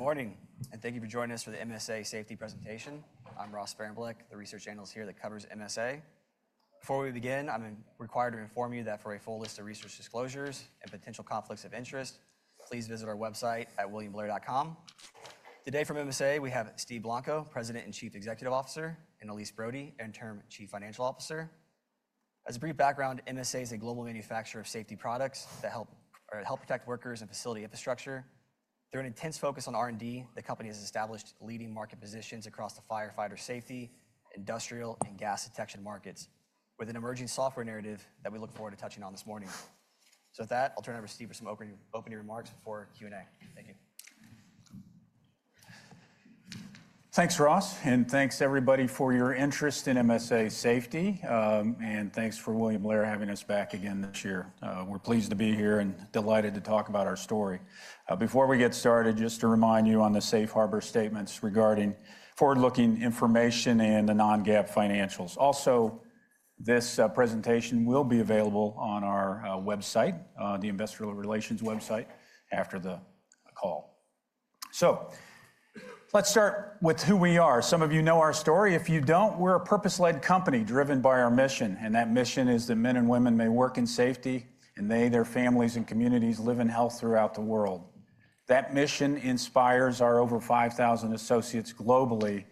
Good morning, and thank you for joining us for the MSA Safety presentation. I'm Ross Sparenblek, the research analyst here that covers MSA. Before we begin, I'm required to inform you that for a full list of research disclosures and potential conflicts of interest, please visit our website at williamblair.com. Today from MSA, we have Steve Blanco, President and Chief Executive Officer, and Elyse Brody, Interim Chief Financial Officer. As a brief background, MSA is a global manufacturer of safety products that help protect workers and facility infrastructure. Through an intense focus on R&D, the company has established leading market positions across the firefighter safety, industrial, and gas detection markets, with an emerging software narrative that we look forward to touching on this morning. With that, I'll turn it over to Steve for some opening remarks before Q&A. Thank you. Thanks, Ross, and thanks, everybody, for your interest in MSA Safety, and thanks for William Blair having us back again this year. We're pleased to be here and delighted to talk about our story. Before we get started, just to remind you on the Safe Harbor statements regarding forward-looking information and the non-GAAP financials. Also, this presentation will be available on our website, the Investor Relations website, after the call. Let's start with who we are. Some of you know our story. If you don't, we're a purpose-led company driven by our mission, and that mission is that men and women may work in safety, and they, their families, and communities live in health throughout the world. That mission inspires our over 5,000 associates globally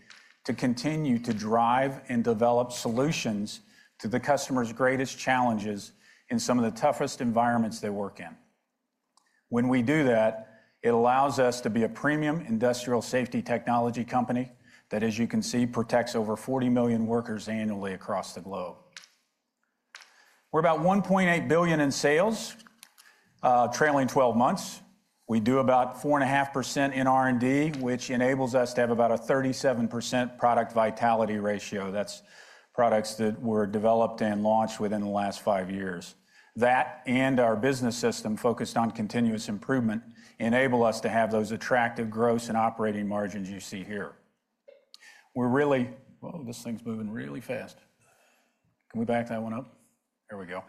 to continue to drive and develop solutions to the customer's greatest challenges in some of the toughest environments they work in. When we do that, it allows us to be a premium industrial safety technology company that, as you can see, protects over 40 million workers annually across the globe. We're about $1.8 billion in sales, trailing 12 months. We do about 4.5% in R&D, which enables us to have about a 37% product vitality ratio. That's products that were developed and launched within the last five years. That and our business system focused on continuous improvement enable us to have those attractive gross and operating margins you see here. We're really—whoa, this thing's moving really fast. Can we back that one up? There we go.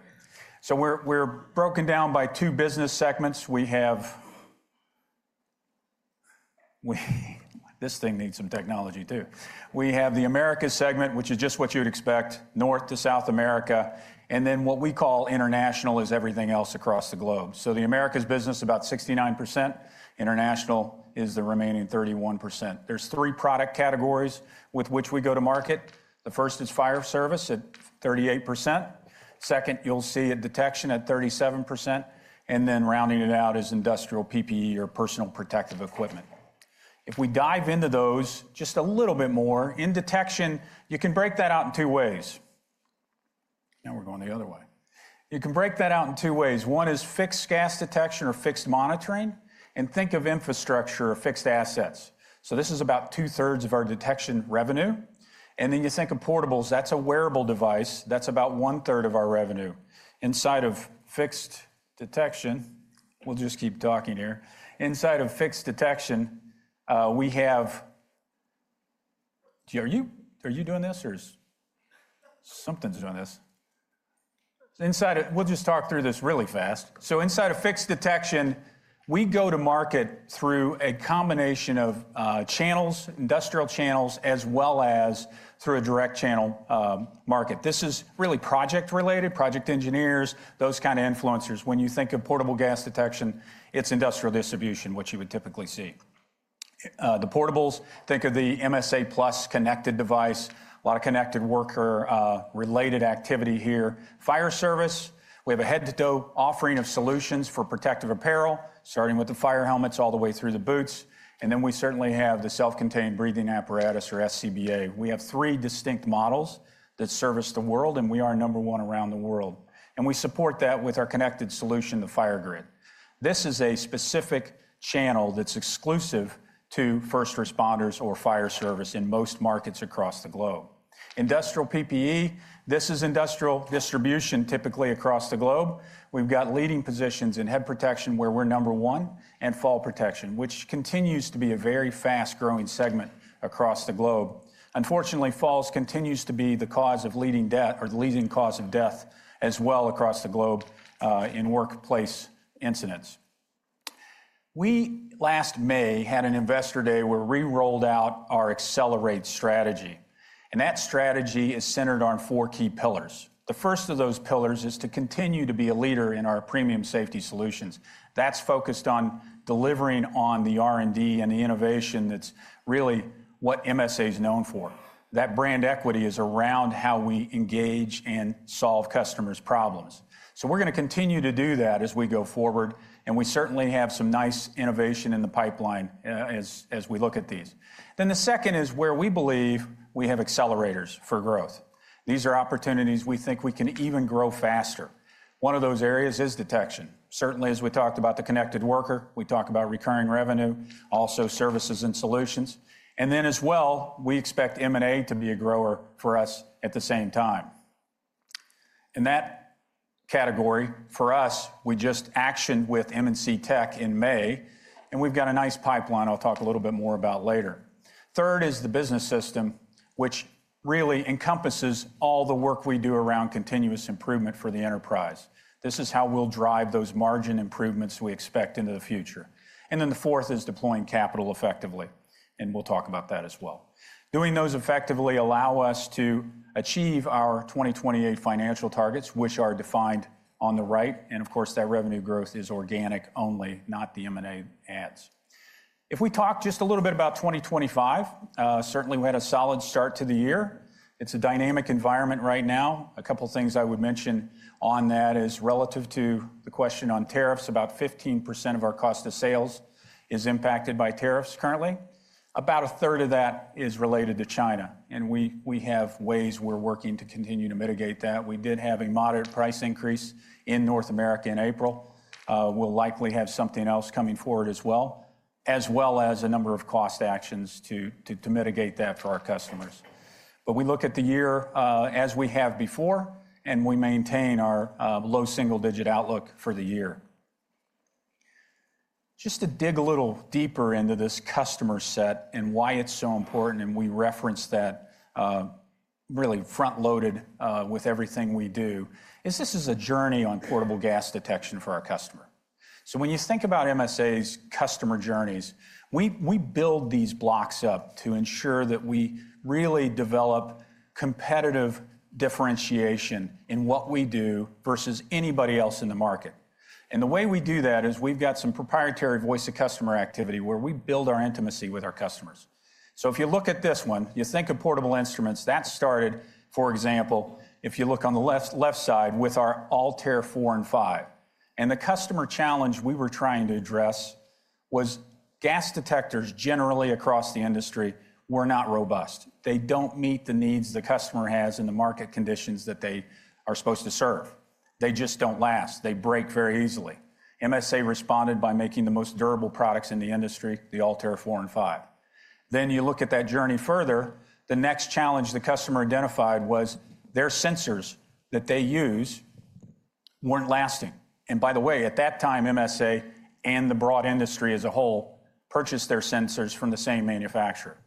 We are broken down by two business segments. We have—this thing needs some technology, too. We have the America segment, which is just what you'd expect: North to South America, and then what we call international is everything else across the globe. The Americas business is about 69%. International is the remaining 31%. There are three product categories with which we go to market. The first is fire service at 38%. Second, you'll see detection at 37%, and then rounding it out is industrial PPE or personal protective equipment. If we dive into those just a little bit more, in detection, you can break that out in two ways. Now we're going the other way. You can break that out in two ways. One is fixed gas detection or fixed monitoring, and think of infrastructure or fixed assets. This is about two-thirds of our detection revenue. Then you think of portables. That's a wearable device. That's about one-third of our revenue. Inside of fixed detection—we'll just keep talking here—inside of fixed detection, we have—are you doing this or is something's doing this? Inside of—we'll just talk through this really fast. Inside of fixed detection, we go to market through a combination of channels, industrial channels, as well as through a direct channel market. This is really project-related, project engineers, those kind of influencers. When you think of portable gas detection, it's industrial distribution, what you would typically see. The portables—think of the MSA+ connected device—a lot of connected worker-related activity here. Fire service, we have a head-to-toe offering of solutions for protective apparel, starting with the fire helmets all the way through the boots. We certainly have the self-contained breathing apparatus or SCBA. We have three distinct models that service the world, and we are number one around the world. We support that with our connected solution, the FireGrid. This is a specific channel that's exclusive to first responders or fire service in most markets across the globe. Industrial PPE, this is industrial distribution typically across the globe. We've got leading positions in head protection where we're number one, and fall protection, which continues to be a very fast-growing segment across the globe. Unfortunately, falls continue to be the leading cause of death as well across the globe in workplace incidents. We last May had an Investor Day where we rolled out our accelerate strategy. That strategy is centered on four key pillars. The first of those pillars is to continue to be a leader in our premium safety solutions. That's focused on delivering on the R&D and the innovation that's really what MSA is known for. That brand equity is around how we engage and solve customers' problems. We're going to continue to do that as we go forward, and we certainly have some nice innovation in the pipeline as we look at these. The second is where we believe we have accelerators for growth. These are opportunities we think we can even grow faster. One of those areas is detection. Certainly, as we talked about the connected worker, we talk about recurring revenue, also services and solutions. As well, we expect M&A to be a grower for us at the same time. In that category, for us, we just actioned with M&C Tech in May, and we've got a nice pipeline I'll talk a little bit more about later. Third is the business system, which really encompasses all the work we do around continuous improvement for the enterprise. This is how we'll drive those margin improvements we expect into the future. The fourth is deploying capital effectively, and we'll talk about that as well. Doing those effectively allows us to achieve our 2028 financial targets, which are defined on the right. Of course, that revenue growth is organic only, not the M&A adds. If we talk just a little bit about 2025, certainly we had a solid start to the year. It's a dynamic environment right now. A couple of things I would mention on that is relative to the question on tariffs, about 15% of our cost of sales is impacted by tariffs currently. About a third of that is related to China, and we have ways we're working to continue to mitigate that. We did have a moderate price increase in North America in April. We'll likely have something else coming forward as well, as well as a number of cost actions to mitigate that for our customers. We look at the year as we have before, and we maintain our low single-digit outlook for the year. Just to dig a little deeper into this customer set and why it's so important, and we reference that really front-loaded with everything we do, this is a journey on portable gas detection for our customer. When you think about MSA's customer journeys, we build these blocks up to ensure that we really develop competitive differentiation in what we do versus anybody else in the market. The way we do that is we've got some proprietary voice of customer activity where we build our intimacy with our customers. If you look at this one, you think of portable instruments. That started, for example, if you look on the left side with our ALTAIR 4 and 5. The customer challenge we were trying to address was gas detectors generally across the industry were not robust. They do not meet the needs the customer has and the market conditions that they are supposed to serve. They just do not last. They break very easily. MSA responded by making the most durable products in the industry, the ALTAIR 4 and 5. You look at that journey further, the next challenge the customer identified was their sensors that they use were not lasting. By the way, at that time, MSA and the broad industry as a whole purchased their sensors from the same manufacturer.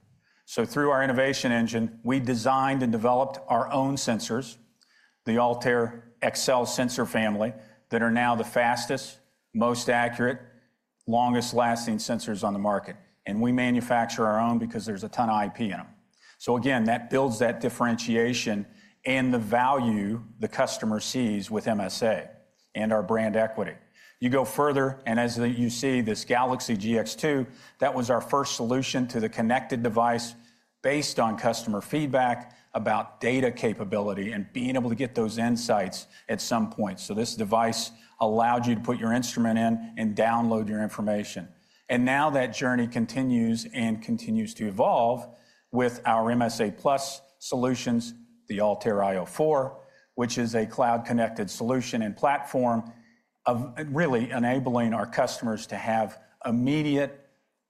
Through our innovation engine, we designed and developed our own sensors, the ALTAIR XCell sensor family, that are now the fastest, most accurate, longest-lasting sensors on the market. We manufacture our own because there's a ton of IP in them. That builds that differentiation and the value the customer sees with MSA and our brand equity. You go further, and as you see this GALAXY GX2, that was our first solution to the connected device based on customer feedback about data capability and being able to get those insights at some point. This device allowed you to put your instrument in and download your information. Now that journey continues and continues to evolve with our MSA+ solutions, the ALTAIR io 4, which is a cloud-connected solution and platform of really enabling our customers to have immediate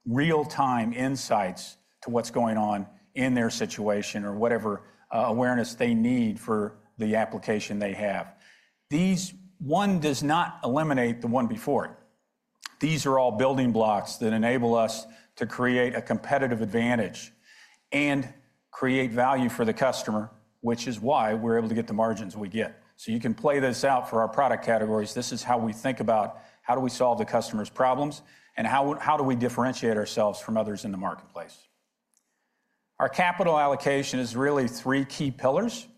real-time insights to what's going on in their situation or whatever awareness they need for the application they have. These one does not eliminate the one before it. These are all building blocks that enable us to create a competitive advantage and create value for the customer, which is why we're able to get the margins we get. You can play this out for our product categories. This is how we think about how do we solve the customer's problems and how do we differentiate ourselves from others in the marketplace. Our capital allocation is really three key pillars.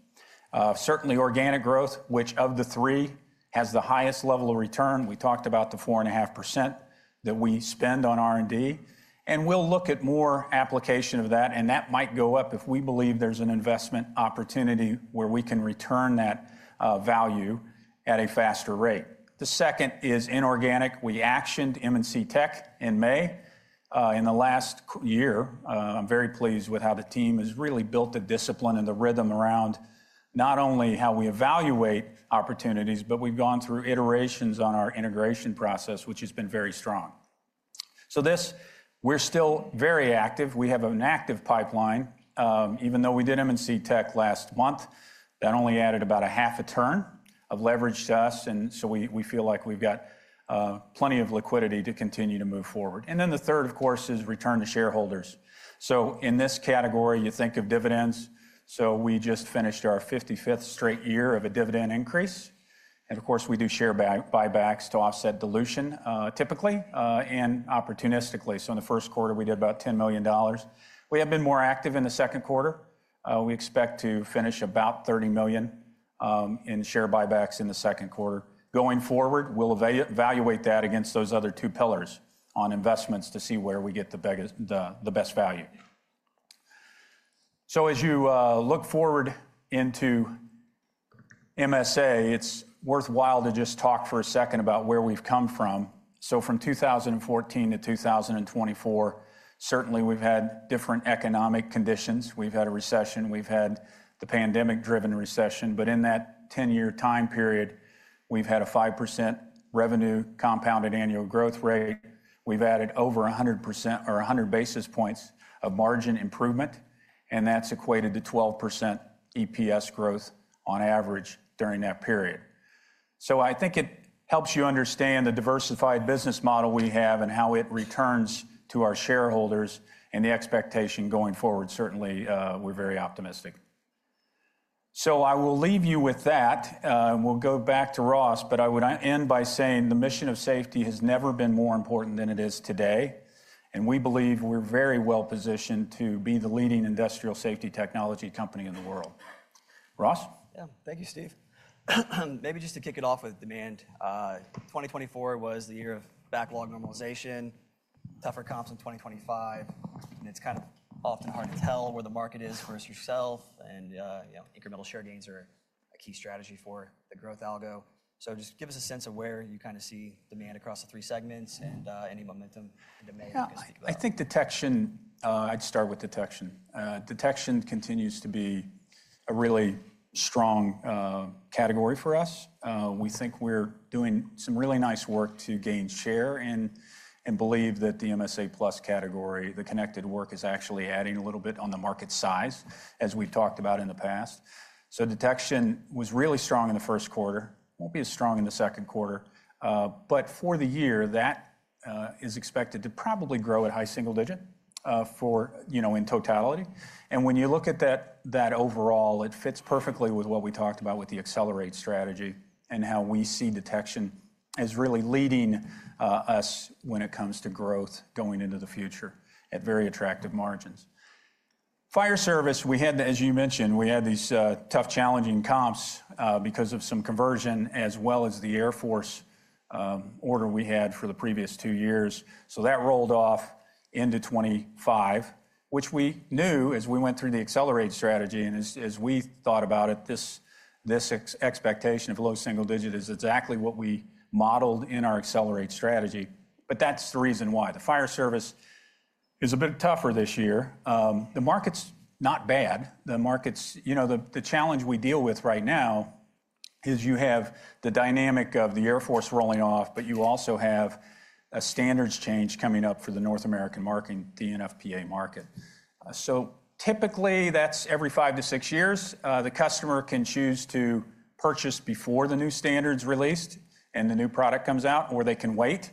Certainly, organic growth, which of the three has the highest level of return. We talked about the 4.5% that we spend on R&D. We'll look at more application of that, and that might go up if we believe there's an investment opportunity where we can return that value at a faster rate. The second is inorganic. We actioned M&C Tech in May. In the last year, I'm very pleased with how the team has really built the discipline and the rhythm around not only how we evaluate opportunities, but we've gone through iterations on our integration process, which has been very strong. This, we're still very active. We have an active pipeline. Even though we did M&C Tech last month, that only added about half a turn of leverage to us, and we feel like we've got plenty of liquidity to continue to move forward. The third, of course, is return to shareholders. In this category, you think of dividends. We just finished our 55th straight year of a dividend increase. Of course, we do share buybacks to offset dilution typically and opportunistically. In the first quarter, we did about $10 million. We have been more active in the second quarter. We expect to finish about $30 million in share buybacks in the second quarter. Going forward, we'll evaluate that against those other two pillars on investments to see where we get the best value. As you look forward into MSA, it's worthwhile to just talk for a second about where we've come from. From 2014 to 2024, certainly we've had different economic conditions. We've had a recession. We've had the pandemic-driven recession. In that 10-year time period, we've had a 5% revenue compounded annual growth rate. We've added over 100% or 100 basis points of margin improvement, and that's equated to 12% EPS growth on average during that period. I think it helps you understand the diversified business model we have and how it returns to our shareholders and the expectation going forward. Certainly, we're very optimistic. I will leave you with that. We'll go back to Ross, but I would end by saying the mission of safety has never been more important than it is today. We believe we're very well positioned to be the leading industrial safety technology company in the world. Ross? Yeah, thank you, Steve. Maybe just to kick it off with demand. 2024 was the year of backlog normalization, tougher comps in 2025. It's kind of often hard to tell where the market is versus yourself. Incremental share gains are a key strategy for the growth algo. Just give us a sense of where you kind of see demand across the three segments and any momentum in demand. I think detection, I'd start with detection. Detection continues to be a really strong category for us. We think we're doing some really nice work to gain share and believe that the MSA+ category, the connected work, is actually adding a little bit on the market size, as we've talked about in the past. Detection was really strong in the first quarter. It will not be as strong in the second quarter. For the year, that is expected to probably grow at high single digit in totality. When you look at that overall, it fits perfectly with what we talked about with the accelerate strategy and how we see detection as really leading us when it comes to growth going into the future at very attractive margins. Fire service, we had, as you mentioned, these tough, challenging comps because of some conversion, as well as the Air Force order we had for the previous two years. That rolled off into 2025, which we knew as we went through the accelerate strategy. As we thought about it, this expectation of low single digit is exactly what we modeled in our accelerate strategy. That is the reason why. The fire service is a bit tougher this year. The market is not bad. The challenge we deal with right now is you have the dynamic of the Air Force rolling off, but you also have a standards change coming up for the North American market and NFPA market. Typically, that is every five to six years. The customer can choose to purchase before the new standard is released and the new product comes out, or they can wait.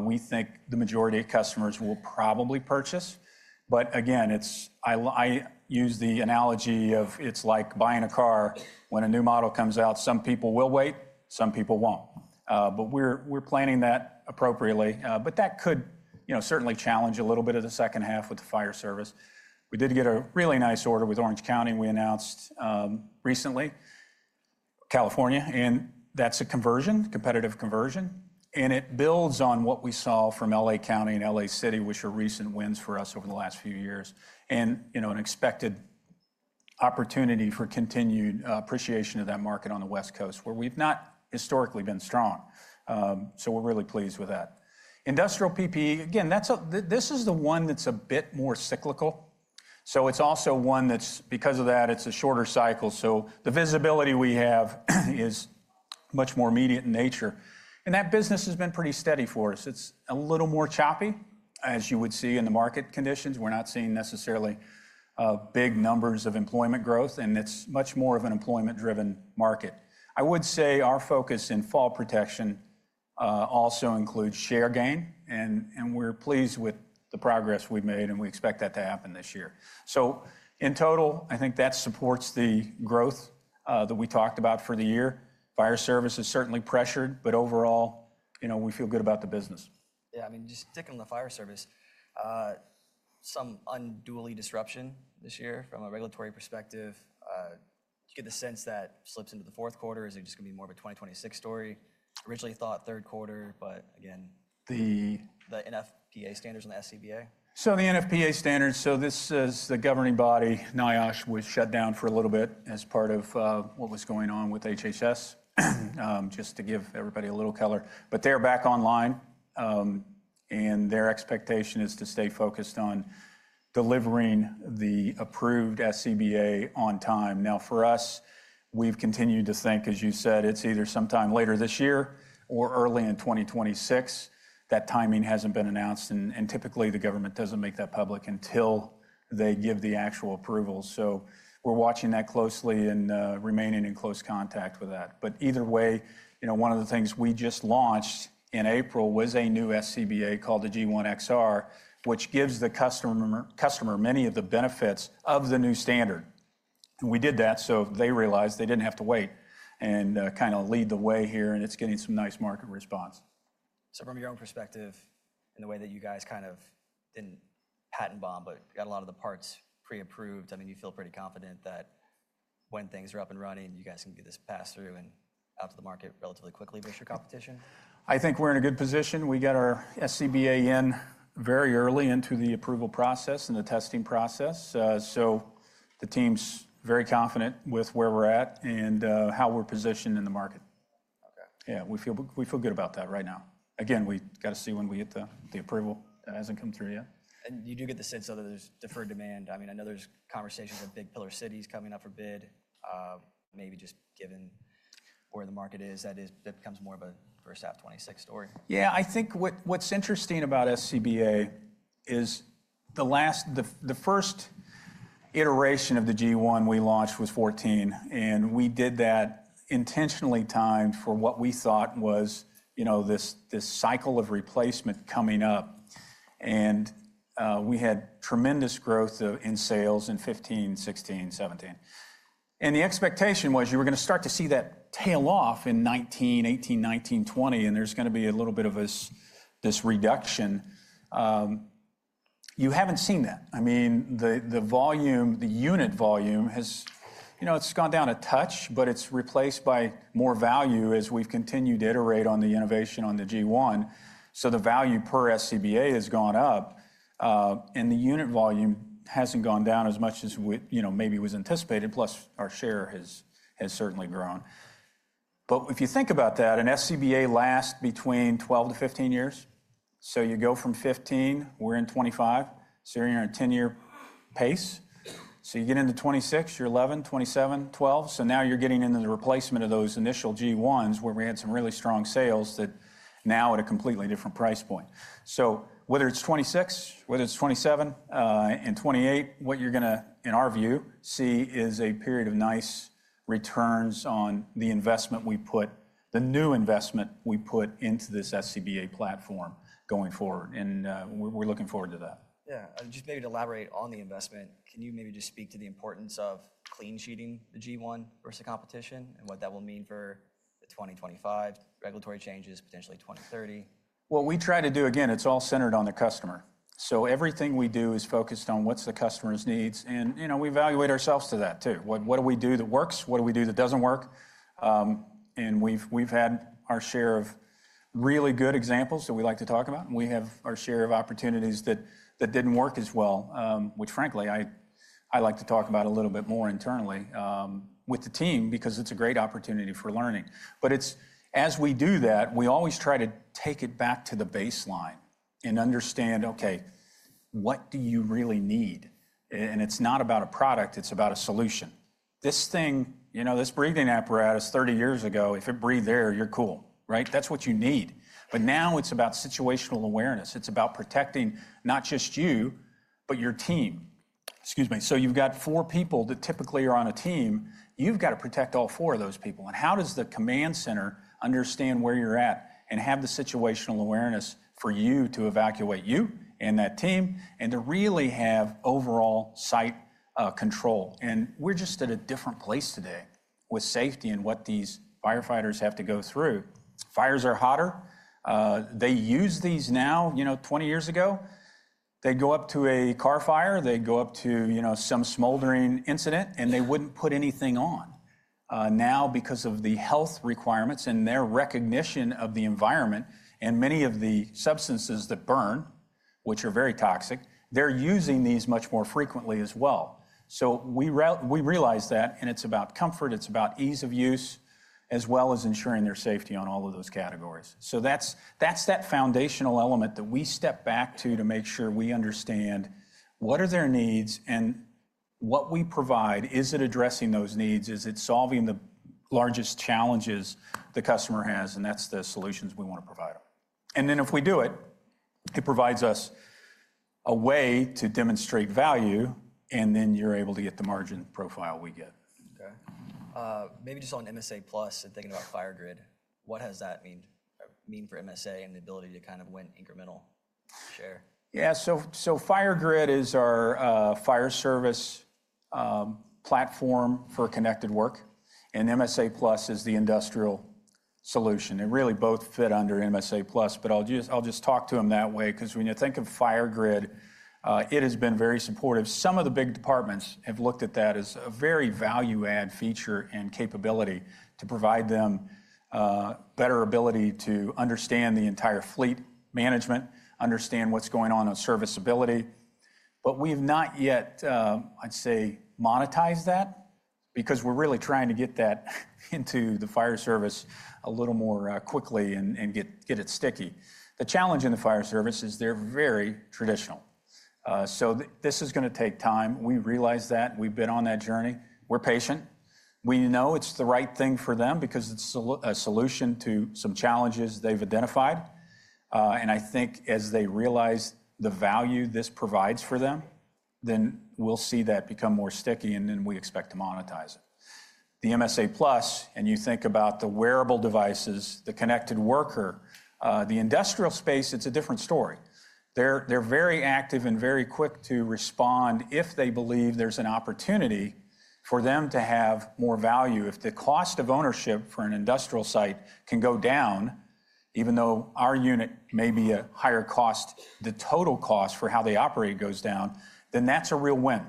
We think the majority of customers will probably purchase. Again, I use the analogy of it is like buying a car. When a new model comes out, some people will wait, some people will not. We are planning that appropriately. That could certainly challenge a little bit of the second half with the fire service. We did get a really nice order with Orange County we announced recently, California, and that is a conversion, competitive conversion. It builds on what we saw from LA County and LA City, which are recent wins for us over the last few years, and an expected opportunity for continued appreciation of that market on the West Coast, where we have not historically been strong. We are really pleased with that. Industrial PPE, again, this is the one that is a bit more cyclical. It is also one that, because of that, is a shorter cycle. The visibility we have is much more immediate in nature. That business has been pretty steady for us. It's a little more choppy, as you would see in the market conditions. We're not seeing necessarily big numbers of employment growth, and it's much more of an employment-driven market. I would say our focus in fall protection also includes share gain, and we're pleased with the progress we've made, and we expect that to happen this year. In total, I think that supports the growth that we talked about for the year. Fire service is certainly pressured, but overall, we feel good about the business. Yeah, I mean, just sticking on the fire service, some unduly disruption this year from a regulatory perspective. You get the sense that slips into the fourth quarter. Is it just going to be more of a 2026 story? Originally thought third quarter, but again. The NFPA standards and the SCBA. The NFPA standards, so this is the governing body. NIOSH was shut down for a little bit as part of what was going on with HHS, just to give everybody a little color. They are back online, and their expectation is to stay focused on delivering the approved SCBA on time. Now, for us, we have continued to think, as you said, it is either sometime later this year or early in 2026. That timing has not been announced, and typically the government does not make that public until they give the actual approvals. We are watching that closely and remaining in close contact with that. Either way, one of the things we just launched in April was a new SCBA called the G1 XR, which gives the customer many of the benefits of the new standard. We did that so they realized they did not have to wait and kind of lead the way here, and it is getting some nice market response. From your own perspective, in the way that you guys kind of did not patent bomb, but got a lot of the parts pre-approved, I mean, you feel pretty confident that when things are up and running, you guys can get this passed through and out to the market relatively quickly versus your competition? I think we are in a good position. We got our SCBA in very early into the approval process and the testing process. So the team's very confident with where we are at and how we are positioned in the market. Yeah, we feel good about that right now. Again, we have to see when we get the approval. It has not come through yet. You do get the sense of there is deferred demand. I mean, I know there's conversations of big pillar cities coming up for bid, maybe just given where the market is, that becomes more of a first half 2026 story. Yeah, I think what's interesting about SCBA is the first iteration of the G1 we launched was 2014, and we did that intentionally timed for what we thought was this cycle of replacement coming up. I mean, we had tremendous growth in sales in 2015, 2016, 2017. The expectation was you were going to start to see that tail off in 2018, 2019, 2020, and there was going to be a little bit of this reduction. You haven't seen that. I mean, the volume, the unit volume has, it's gone down a touch, but it's replaced by more value as we've continued to iterate on the innovation on the G1. The value per SCBA has gone up, and the unit volume has not gone down as much as maybe was anticipated, plus our share has certainly grown. If you think about that, an SCBA lasts between 12-15 years. You go from 2015, we are in 2025, so you are in a 10-year pace. You get into 2026, you are 11, 2027, 12. Now you are getting into the replacement of those initial G1s where we had some really strong sales that now are at a completely different price point. Whether it is 2026, whether it is 2027, and 2028, what you are going to, in our view, see is a period of nice returns on the investment we put, the new investment we put into this SCBA platform going forward. We are looking forward to that. Yeah, just maybe to elaborate on the investment, can you maybe just speak to the importance of clean sheeting the G1 versus the competition and what that will mean for the 2025 regulatory changes, potentially 2030? What we try to do, again, it's all centered on the customer. Everything we do is focused on what's the customer's needs. We evaluate ourselves to that too. What do we do that works? What do we do that doesn't work? We've had our share of really good examples that we like to talk about. We have our share of opportunities that didn't work as well, which frankly, I like to talk about a little bit more internally with the team because it's a great opportunity for learning. As we do that, we always try to take it back to the baseline and understand, okay, what do you really need? It's not about a product, it's about a solution. This thing, this breathing apparatus 30 years ago, if it breathed air, you're cool, right? That's what you need. Now it's about situational awareness. It's about protecting not just you, but your team. Excuse me. You've got four people that typically are on a team. You've got to protect all four of those people. How does the command center understand where you're at and have the situational awareness for you to evacuate you and that team and to really have overall site control? We're just at a different place today with safety and what these firefighters have to go through. Fires are hotter. They use these now. Twenty years ago, they'd go up to a car fire, they'd go up to some smoldering incident, and they wouldn't put anything on. Now, because of the health requirements and their recognition of the environment and many of the substances that burn, which are very toxic, they're using these much more frequently as well. We realize that, and it's about comfort, it's about ease of use, as well as ensuring their safety on all of those categories. That's that foundational element that we step back to to make sure we understand what are their needs and what we provide. Is it addressing those needs? Is it solving the largest challenges the customer has? That's the solutions we want to provide them. If we do it, it provides us a way to demonstrate value, and then you're able to get the margin profile we get. Okay. Maybe just on MSA+ and thinking about FireGrid, what has that meant for MSA and the ability to kind of win incremental share? Yeah, so FireGrid is our fire service platform for connected work. And MSA+ is the industrial solution. They really both fit under MSA+, but I'll just talk to them that way because when you think of FireGrid, it has been very supportive. Some of the big departments have looked at that as a very value-add feature and capability to provide them better ability to understand the entire fleet management, understand what's going on on serviceability. But we've not yet, I'd say, monetized that because we're really trying to get that into the fire service a little more quickly and get it sticky. The challenge in the fire service is they're very traditional. This is going to take time. We realize that. We've been on that journey. We're patient. We know it's the right thing for them because it's a solution to some challenges they've identified. I think as they realize the value this provides for them, we'll see that become more sticky, and we expect to monetize it. The MSA+, and you think about the wearable devices, the connected worker, the industrial space, it's a different story. They're very active and very quick to respond if they believe there's an opportunity for them to have more value. If the cost of ownership for an industrial site can go down, even though our unit may be a higher cost, the total cost for how they operate goes down, that's a real win.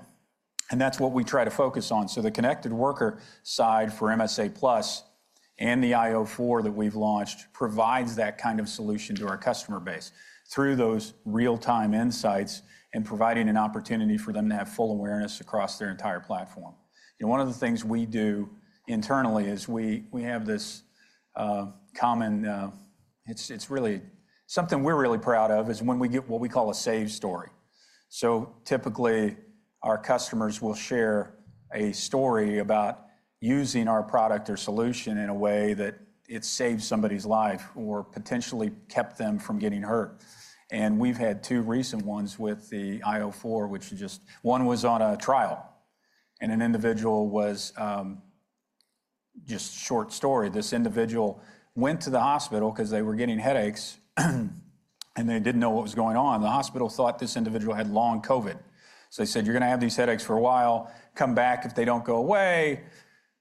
That's what we try to focus on. The connected worker side for MSA+ and the io 4 that we've launched provides that kind of solution to our customer base through those real-time insights and providing an opportunity for them to have full awareness across their entire platform. One of the things we do internally is we have this common—it's really something we're really proud of—is when we get what we call a save story. Typically, our customers will share a story about using our product or solution in a way that it saved somebody's life or potentially kept them from getting hurt. We've had two recent ones with the io 4, which just—one was on a trial, and an individual was just a short story. This individual went to the hospital because they were getting headaches, and they didn't know what was going on. The hospital thought this individual had long COVID. They said, "You're going to have these headaches for a while. Come back if they don't go away,"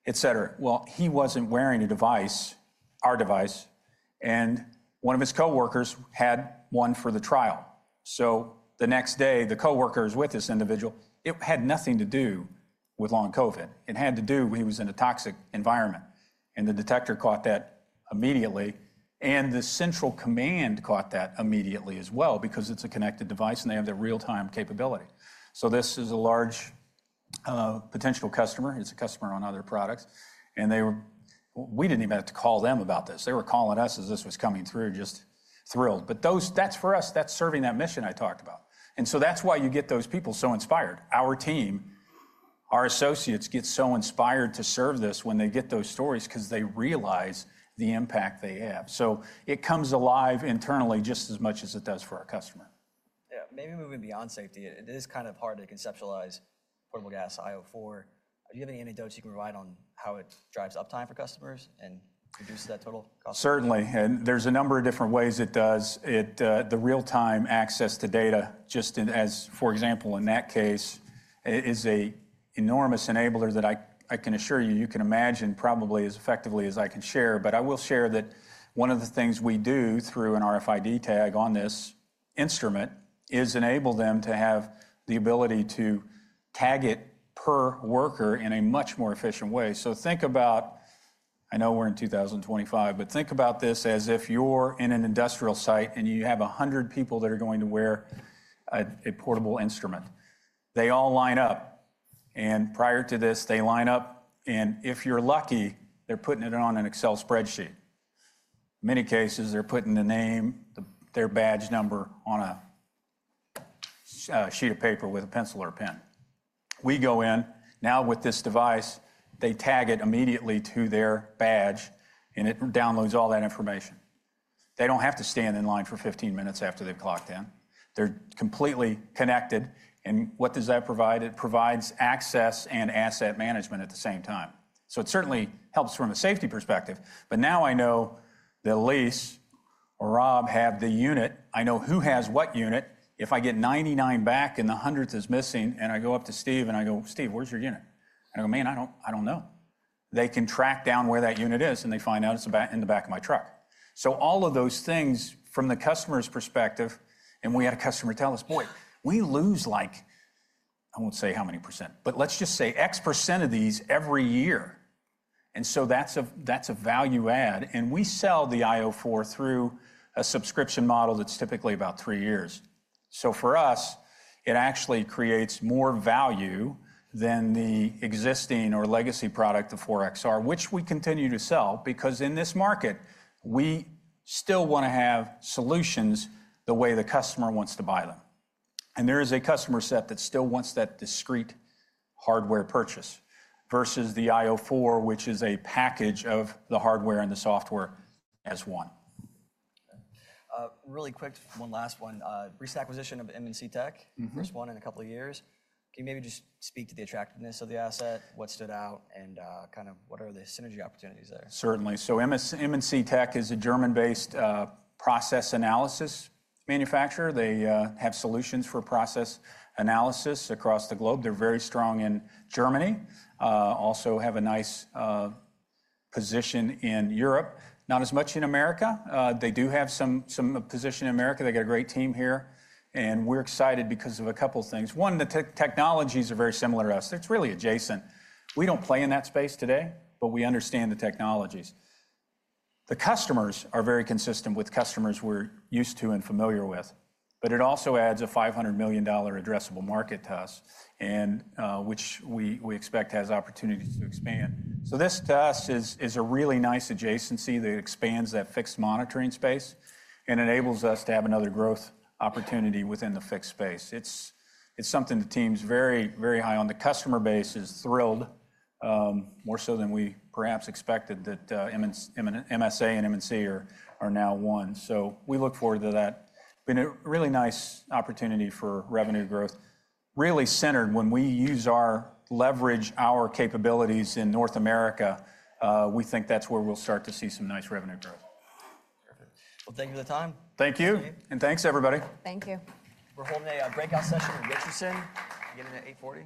etc. He wasn't wearing a device, our device, and one of his coworkers had one for the trial. The next day, the coworker is with this individual. It had nothing to do with long COVID. It had to do with he was in a toxic environment. The detector caught that immediately. The central command caught that immediately as well because it's a connected device, and they have the real-time capability. This is a large potential customer. It's a customer on other products. We didn't even have to call them about this. They were calling us as this was coming through, just thrilled. That's for us, that's serving that mission I talked about. That's why you get those people so inspired. Our team, our associates get so inspired to serve this when they get those stories because they realize the impact they have. It comes alive internally just as much as it does for our customer. Yeah, maybe moving beyond safety, it is kind of hard to conceptualize portable gas io 4. Do you have any anecdotes you can provide on how it drives uptime for customers and reduces that total cost? Certainly. There are a number of different ways it does. The real-time access to data, just as for example, in that case, is an enormous enabler that I can assure you you can imagine probably as effectively as I can share. I will share that one of the things we do through an RFID tag on this instrument is enable them to have the ability to tag it per worker in a much more efficient way. Think about—I know we're in 2025, but think about this as if you're in an industrial site and you have 100 people that are going to wear a portable instrument. They all line up. Prior to this, they line up, and if you're lucky, they're putting it on an Excel spreadsheet. In many cases, they're putting the name, their badge number on a sheet of paper with a pencil or a pen. We go in. Now, with this device, they tag it immediately to their badge, and it downloads all that information. They don't have to stand in line for 15 minutes after they've clocked in. They're completely connected. What does that provide? It provides access and asset management at the same time. It certainly helps from a safety perspective. Now I know that Elyse or Rob have the unit. I know who has what unit. If I get 99 back and the hundredth is missing, and I go up to Steve and I go, "Steve, where's your unit?" and I go, "Man, I don't know." They can track down where that unit is, and they find out it's in the back of my truck. All of those things from the customer's perspective, and we had a customer tell us, "Boy, we lose like, I won't say how many percent, but let's just say X percent of these every year." That is a value add. We sell the io 4 through a subscription model that's typically about three years. For us, it actually creates more value than the existing or legacy product of 4XR, which we continue to sell because in this market, we still want to have solutions the way the customer wants to buy them. There is a customer set that still wants that discreet hardware purchase versus the io 4, which is a package of the hardware and the software as one. Really quick, one last one. Recent acquisition of M&C Tech, first one in a couple of years. Can you maybe just speak to the attractiveness of the asset, what stood out, and kind of what are the synergy opportunities there? Certainly. M&C Tech is a German-based process analysis manufacturer. They have solutions for process analysis across the globe. They are very strong in Germany. Also have a nice position in Europe, not as much in America. They do have some position in America. They got a great team here. We are excited because of a couple of things. One, the technologies are very similar to us. It is really adjacent. We do not play in that space today, but we understand the technologies. The customers are very consistent with customers we're used to and familiar with. It also adds a $500 million addressable market to us, which we expect has opportunities to expand. This to us is a really nice adjacency that expands that fixed monitoring space and enables us to have another growth opportunity within the fixed space. It's something the team's very, very high on. The customer base is thrilled, more so than we perhaps expected that MSA and M&C are now one. We look forward to that. Been a really nice opportunity for revenue growth. Really centered when we use our leverage, our capabilities in North America, we think that's where we'll start to see some nice revenue growth. Perfect. Thank you for the time. Thank you. And thanks, everybody. Thank you. We're holding a breakout session in Richardson. You get in at 8:40.